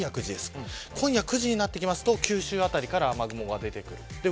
今夜９時になってくると九州辺りから雨雲が出てくる。